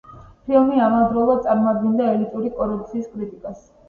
ფილმი ამავდროულად წარმოადგენდა ელიტური კორუფციის კრიტიკას.